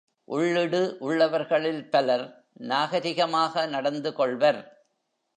உள்ளிடு உள்ளவர்களில் பலர் நாகரிகமாக நடந்துகொள்வர்.